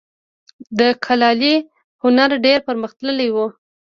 د کلالي هنر ډیر پرمختللی و